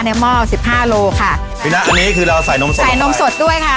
หม้อสิบห้าโลค่ะพี่นะอันนี้คือเราใส่นมสดใส่นมสดด้วยค่ะ